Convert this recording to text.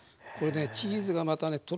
これねチーズがまたね